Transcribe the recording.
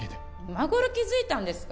今頃気づいたんですか？